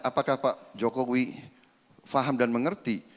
apakah pak jokowi faham dan mengerti